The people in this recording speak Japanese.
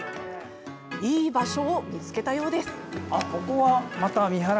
いい場所を見つけたようです。